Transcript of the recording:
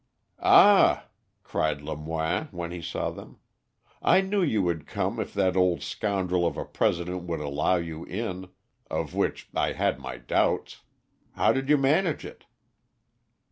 "Ah," cried Lemoine when he saw them, "I knew you would come if that old scoundrel of a President would allow you in, of which I had my doubts. How did you manage it?"